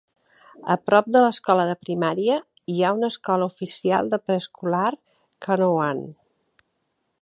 A prop de l'escola de primària, hi ha una escola oficial de preescolar Canouan.